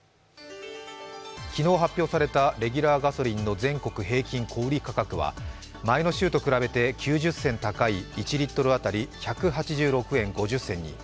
昨日発表されたレギュラーガソリンの全国平均小売価格は前の週と比べて９０銭高い１リットル当たり１８６円５０銭に。